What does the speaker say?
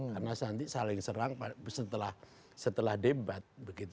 karena nanti saling serang setelah debat